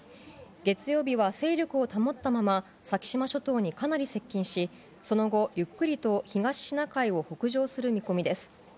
月曜日は勢力を保ったまま、先島諸島にかなり接近し、その後、ゆっくりと東シナ海を北上する見込みです。